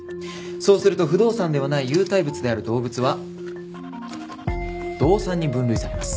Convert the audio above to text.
そうすると不動産ではない有体物である動物は動産に分類されます。